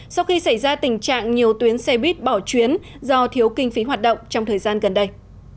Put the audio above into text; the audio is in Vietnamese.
sau khi xảy ra tình trạng nhiều tuyến xe buýt bỏ chuyến do thiếu kinh phí hoạt động trong thời gian gần đây